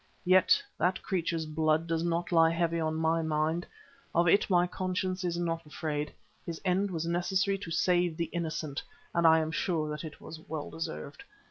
Yet that creature's blood does not lie heavy on my mind, of it my conscience is not afraid. His end was necessary to save the innocent and I am sure that it was well deserved.